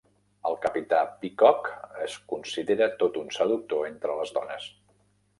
El Capità Peacock es considera tot un seductor entre les dones.